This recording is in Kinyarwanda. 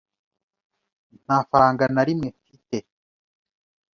Nta faranga na rimwe mfite.